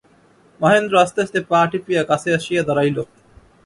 মহেন্দ্র আস্তে আস্তে পা টিপিয়া কাছে আসিয়া দাঁড়াইল।